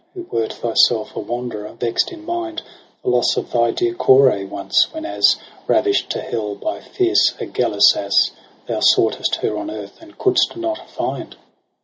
Who wert thyself a wanderer, vex'd in mind For loss of thy dear Core once, whenas, Ravisht to hell by fierce Agesilas, Thou soughtest her on earth and coudst not find.